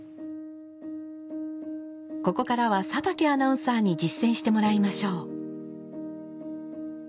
ここからは佐竹アナウンサーに実践してもらいましょう。